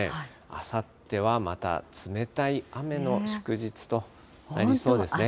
あさってはまた冷たい雨の祝日となりそうですね。